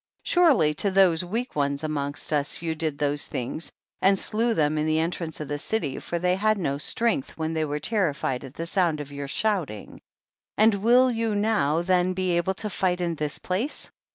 Surely to those weak ones amongst us you did those things, and slew them in the entrance of the city, for they had no strength when they were terrified at the sound of your shouting. 26. And will you now then be able to fight in this place